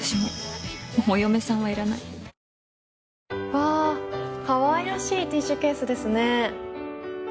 わあかわいらしいティッシュケースですね。